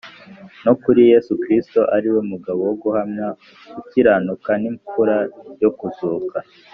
no kuri Yesu Kristo, ari we mugabo wo guhamya ukiranuka n’imfura yo kuzuka,